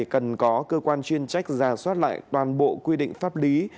cần có cơ quan chuyên trách giả soát lại toàn bộ quy định pháp lý